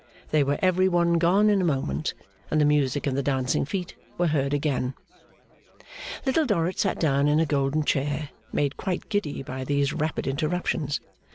They were every one gone in a moment, and the music and the dancing feet were heard again. Little Dorrit sat down in a golden chair, made quite giddy by these rapid interruptions.